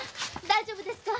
大丈夫ですか？